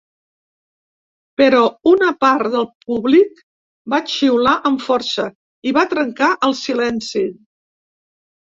Però una part de públic va xiular amb força i va trencar el silenci.